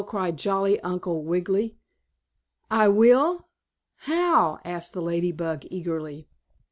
cried jolly Uncle Wiggily. "I will! How?" asked the Lady Bug, eagerly.